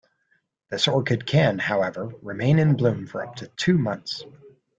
This orchid can, however, remain in bloom for up to two months.